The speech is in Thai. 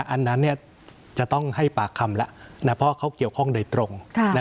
อันนั้นจะต้องให้ปากคำแล้วเพราะเขาเกี่ยวข้องโดยตรง